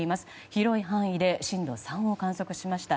広い範囲で震度３を観測しました。